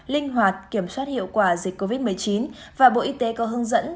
linh hoạt kiểm soát hiệu quả dịch covid một mươi chín và bộ y tế có hướng dẫn